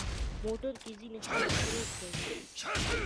موټر کې ځینې خلک خوب کوي.